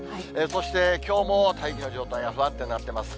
そして、きょうも大気の状態が不安定になってます。